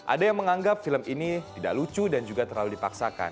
ada yang menganggap film ini tidak lucu dan juga terlalu dipaksakan